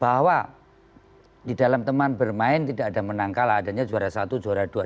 bahwa di dalam teman bermain tidak ada menang kalah adanya juara satu juara dua